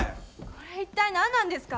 これ一体何なんですか？